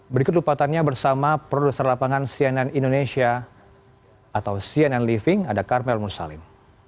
berikut lupaannya bersama produser lapangan cnn indonesia atau cnn living ada karmel mursalim